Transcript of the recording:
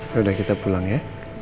yaudah kita pulang ya